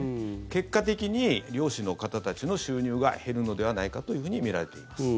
結果的に漁師の方たちの収入が減るのではないかというふうに見られています。